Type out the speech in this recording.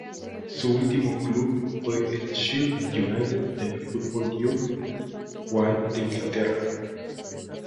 Su último club fue el Sheffield United de la Football League One de Inglaterra.